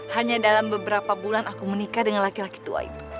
hanya dalam beberapa bulan aku menikah dengan laki laki tua ibu